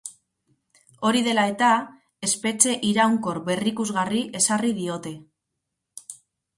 Hori dela eta, espetxe iraunkor berrikusgarri ezarri diote.